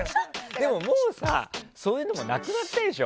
でもさ、もうさそういうのもなくなったでしょ？